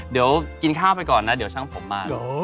เดี๋ยวกินข้าวไปก่อนนะเดี๋ยวช่างผมมา